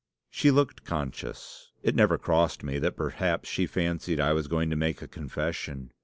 "She looked conscious. It never crossed me, that perhaps she fancied I was going to make a confession.